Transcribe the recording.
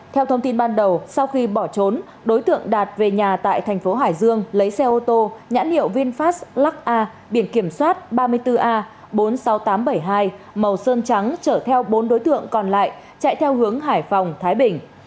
theo thông tin ban đầu sau khi bỏ trốn đối tượng đạt về nhà tại thành phố hải dương lấy xe ô tô nhãn hiệu vinfast lux a biển kiểm soát ba mươi bốn a bốn mươi sáu nghìn tám trăm bảy mươi hai màu sơn trắng chở theo bốn đối tượng còn lại chạy theo hướng hải phòng thái bình